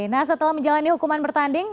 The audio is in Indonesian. nah setelah menjalani hukuman bertanding